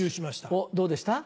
おっどうでした？